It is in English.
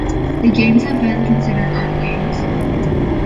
The games have been considered art games.